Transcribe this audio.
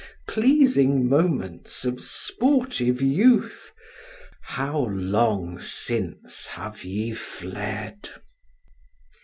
Pleasing moments of sportive youth, how long since have ye fled!